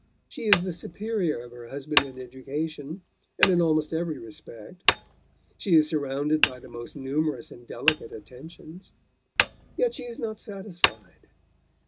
She is the superior of her husband in education, and in almost every respect. She is surrounded by the most numerous and delicate attentions. Yet she is not satisfied....